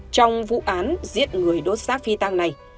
trong vụ án giết người đốt xác phi tăng này